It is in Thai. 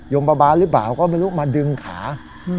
มบาบาลหรือเปล่าก็ไม่รู้มาดึงขา